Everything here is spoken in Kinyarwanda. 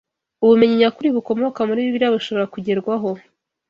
Ubumenyi nyakuri bukomoka muri Bibiliya bushobora kugerwaho